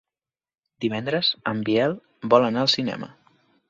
Divendres en Biel vol anar al cinema.